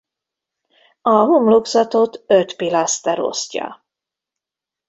A homlokzatot öt pilaszter osztja.